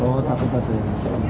oh tapi ada yang masih masuk